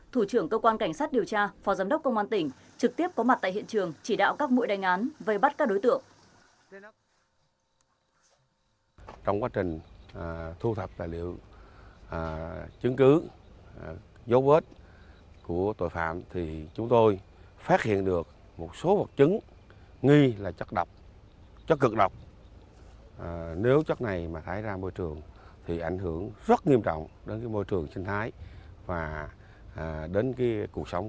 thủ trưởng cơ quan cảnh sát điều tra phó giám đốc công an tỉnh trực tiếp có mặt tại hiện trường